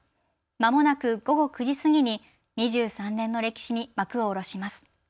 まもなく午後９時過ぎに２３年の歴史に幕を下ろします。